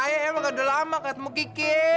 emang udah lama gak ketemu kiki